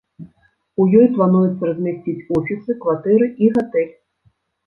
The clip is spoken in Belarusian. У ёй плануецца размясціць офісы, кватэры і гатэль.